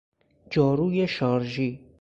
جارو شارژی